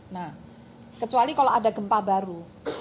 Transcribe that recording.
nah kecuali kalau ada gempa baru